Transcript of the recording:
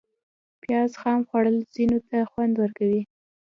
پیاز خام خوړل ځینو ته خوند ورکوي